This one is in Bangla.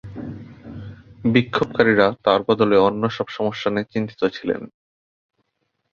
বিক্ষোভকারীরা তার বদলে অন্যসব সমস্যা নিয়ে চিন্তিত ছিলেন।